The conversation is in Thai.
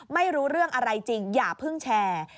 ไม่รู้เรื่องอะไรจริงอย่าเพิ่งแชร์